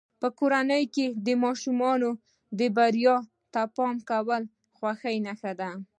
په کورنۍ کې د ماشومانو بریاوو ته پام کول د خوښۍ نښه ده.